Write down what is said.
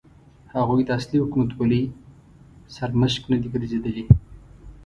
هغوی د اصلي حکومتولۍ سرمشق نه دي ګرځېدلي.